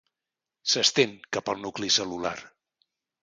S'estén cap al nucli cel·lular.